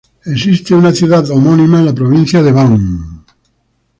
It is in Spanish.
Existe una ciudad homónima en la provincia de Van.